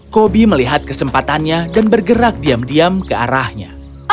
kobi melihat kesempatannya dan bergerak diam diam ke arahnya